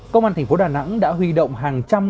công an thành phố đà nẵng đã huy động hàng trăm